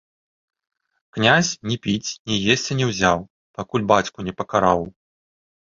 Князь ні піць, ні есці не ўзяў, пакуль бацьку не пакараў.